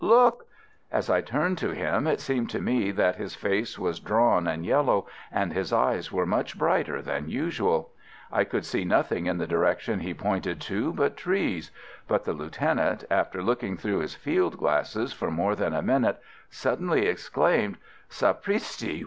look!' As I turned to him it seemed to me that his face was drawn and yellow, and his eyes were much brighter than usual. I could see nothing in the direction he pointed to but trees; but the lieutenant, after looking through his field glasses for more than a minute, suddenly exclaimed: '_Sapristi!